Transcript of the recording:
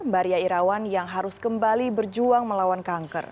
mbak ria irawan yang harus kembali berjuang melawan kanker